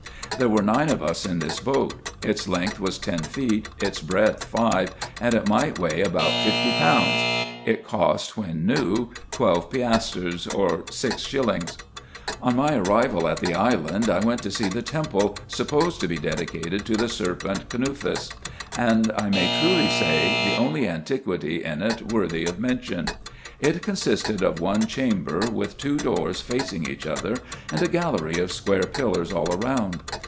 There were nine of us in this boat. Its length was ten feet, its breadth five, and it might weigh about fifty pounds. It cost, when new, twelve piastres, or six shillings. On my arrival at the island, I went to see the temple, supposed to be dedicated to the serpent Knuphis ; and, I may truly say, the only antiquity in it worthy of mention. It consisted of one chamber, with two doors facing each other, and a gallery of square pillars all round.